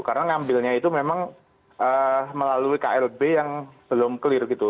karena ngambilnya itu memang melalui klb yang belum clear gitu